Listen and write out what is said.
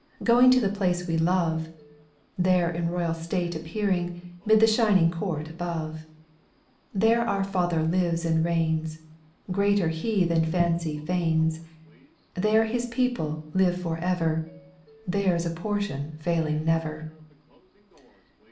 Going to the place we love, There in royal state appearing Mid the shining court above ; There our Father lives and reigns, Greater He than fancy feigns ; There His people live for ever, There's a portion failing never.